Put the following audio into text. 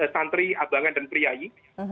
santri abangan dan priyai